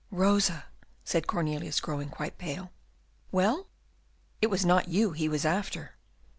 "Rosa," said Cornelius, growing quite pale. "Well?" "It was not you he was after."